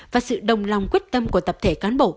và sự đồng lòng quyết tâm của tập thể cán bộ